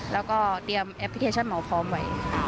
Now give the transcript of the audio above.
แล้วก็เตรียมแอปพลิเคชันหมอพร้อมไว้